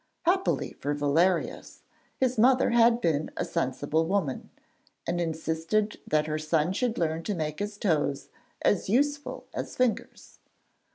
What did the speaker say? Happily for Valerius, his mother had been a sensible woman, and insisted that her son should learn to make his toes as useful as fingers.